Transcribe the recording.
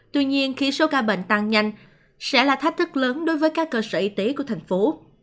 tuy nhiên khi số ca bệnh tăng nhanh sẽ là thách thức lớn đối với các cơ sở y tế của thành phố